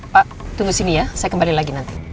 pak tunggu sini ya saya kembali lagi nanti